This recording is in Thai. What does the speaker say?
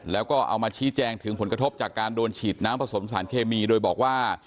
แล้วก็เอามาชี้แจงถึงผลกระทบจากการโดนฉีดน้ำผสมสารเคมีโดยบอกว่า